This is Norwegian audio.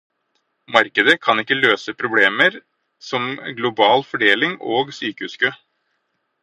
Markedet kan ikke løse problemer som global fordeling og sykehuskø.